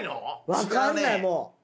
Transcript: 分かんないもう。